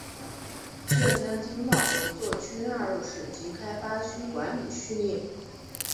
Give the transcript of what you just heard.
浙台经贸合作区纳入省级开发区管理序列。